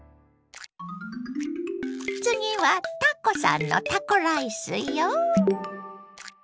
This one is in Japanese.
次はタコさんのタコライスよ！